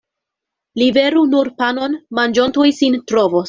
Liveru nur panon, manĝontoj sin trovos.